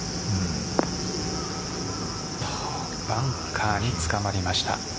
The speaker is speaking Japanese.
バンカーにつかまりました。